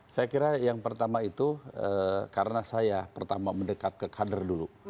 saya kira yang pertama itu karena saya pertama mendekat ke kader dulu